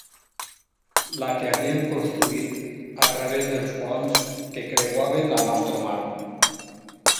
La que havíem construït a través dels ponts que creuaven la nostra mar.